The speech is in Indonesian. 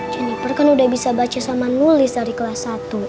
juniper kan udah bisa baca sama nulis dari kelas satu